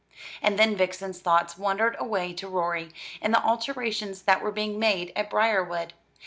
And then Vixen's thoughts wandered away to Rorie, and the alterations that were being made at Briarwood.